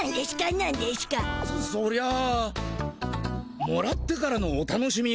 そりゃもらってからのお楽しみよ。